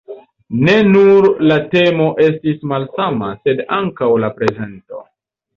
Ne nur la temo estis malsama, sed ankaŭ la prezento.